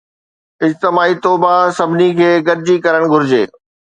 اجتماعي توبه سڀني کي گڏجي ڪرڻ گهرجي